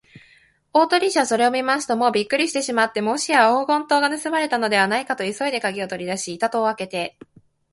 大鳥氏はそれを見ますと、もうびっくりしてしまって、もしや黄金塔がぬすまれたのではないかと、急いでかぎをとりだし、板戸をあけて